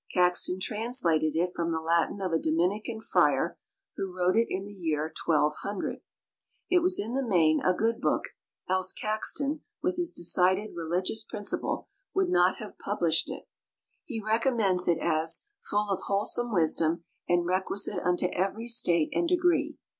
Caxton translated it from the Latin of a Dominican friar, who wrote it in the year 1200. It was in the main a good book, else Caxton, with his decided religious principle, would not have published it; he recommends it as "full of wholesome wisdom, and requisite unto every state and degree."